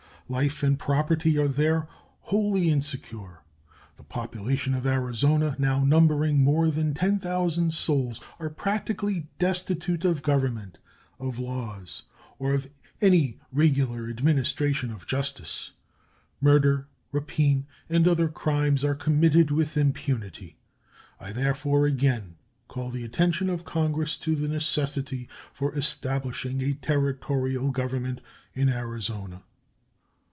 Life and property are there wholly insecure. The population of Arizona, now numbering more than 10,000 souls, are practically destitute of government, of laws, or of any regular administration of justice. Murder, rapine, and other crimes are committed with impunity. I therefore again call the attention of Congress to the necessity for establishing a Territorial government over Arizona.